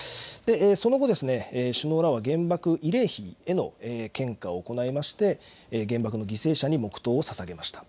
その後、首脳らは原爆慰霊碑への献花を行いまして原爆の犠牲者に黙とうをささげました。